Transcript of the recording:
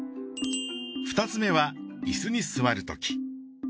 ２つ目は椅子に座るとき。